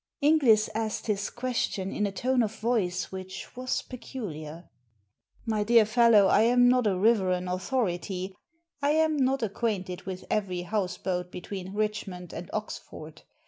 Inglis asked this question in a tone of voice which was peculiar. "My dear fellow, I'm not a riverain authority. I am not acquainted with every houseboat between Richmond and Oxford.